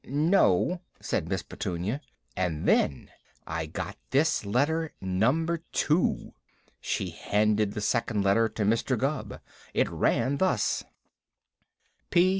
"No," said Miss Petunia. "And then I got this letter Number Two." She handed the second letter to Mr. Gubb. It ran thus: P.